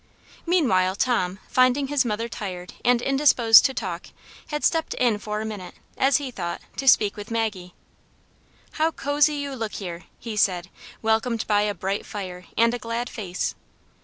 MEANWHILE, Tom, finding his mother tired and indisposed to talk, had stepped in for a minute, as he thought, to speak with Maggie. " How cosy you look herel" he said, welcomed by a bright fire and a glad face.